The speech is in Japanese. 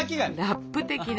ラップ的な。